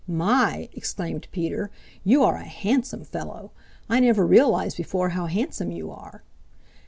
"My," exclaimed Peter, "you are a handsome fellow! I never realized before how handsome you are."